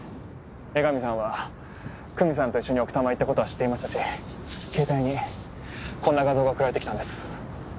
江上さんは久美さんと一緒に奥多摩へ行った事は知っていましたし携帯にこんな画像が送られてきたんです。